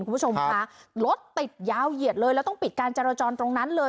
คุณผู้ชมคะรถติดยาวเหยียดเลยแล้วต้องปิดการจราจรตรงนั้นเลย